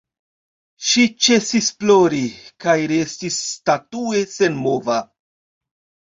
Ŝi ĉesis plori, kaj restis statue senmova.